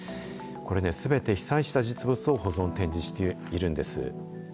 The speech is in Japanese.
これね、すべて被災した実物を保存、展示しているんです。